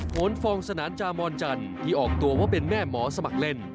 โหนฟองสนานจามอนจันทร์ที่ออกตัวว่าเป็นแม่หมอสมัครเล่น